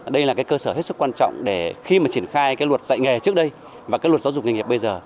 đây là cơ sở hết sức quan trọng để khi mà triển khai luật dạy nghề trước đây và luật giáo dục nghề nghiệp bây giờ